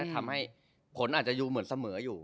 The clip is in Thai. ทำให้ผลอาจจะดูเหมือนเสมออยู่